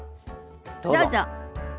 どうぞ。